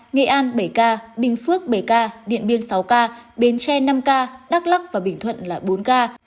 nghệ an bảy ca bình phước bảy ca điện biên sáu ca bến tre năm ca đắk lắc và bình thuận là bốn ca